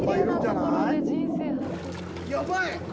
やばい！！